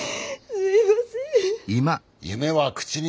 すいません。